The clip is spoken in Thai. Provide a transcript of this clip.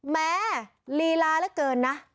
ลีลาเหลือเกินนะ